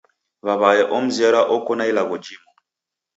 W'aw'ae omzera oko na ilagho jimu!